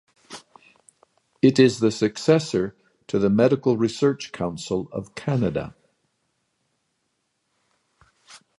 It is the successor to the Medical Research Council of Canada.